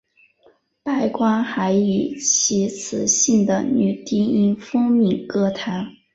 白光还以其磁性的女低音风靡歌坛。